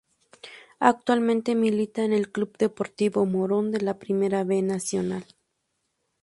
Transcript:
Actualmente milita en el Club Deportivo Morón de la Primera B Nacional.